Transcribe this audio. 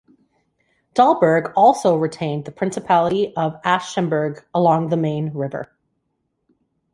Dalberg also retained the Principality of Aschaffenburg along the Main river.